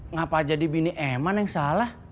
ngapain jadi bini eman yang salah